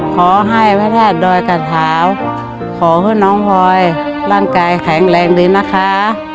ขอให้พระธาตุดอยกระเท้าขอให้น้องพลอยร่างกายแข็งแรงดีนะคะ